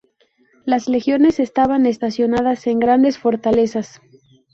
Las Legiones estaban estacionadas en grandes fortalezas.